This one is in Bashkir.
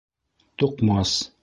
Туҡмас